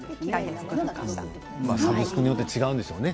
その仕組みによって違うんでしょうね。